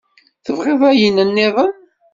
Tebɣiḍ ayen nniḍen?